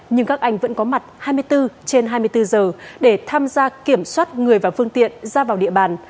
nhưng các anh vẫn có mặt hai mươi bốn trên hai mươi bốn giờ để tham gia kiểm soát người và phương tiện ra vào địa bàn